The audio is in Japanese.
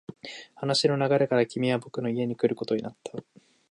話の流れから、君は僕の家に来ることになった。